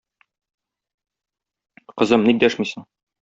Кызым, ник дәшмисең?